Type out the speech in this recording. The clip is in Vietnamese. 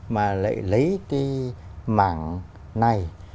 mà lại lấy cái mảng này